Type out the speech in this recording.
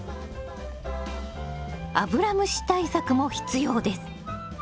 アブラムシ対策も必要です。